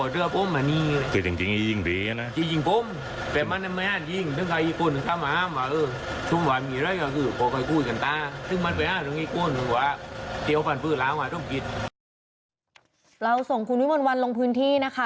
เราส่งคุณวิมลวันลงพื้นที่นะคะ